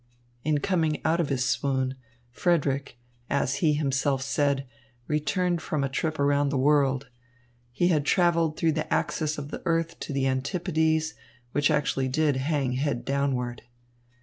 In coming out of his swoon Frederick, as he himself said, returned from a trip around the world. He had travelled through the axis of the earth to the antipodes, which actually did hang head downward.